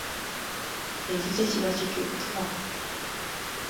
Ekikye kiba kituttwa.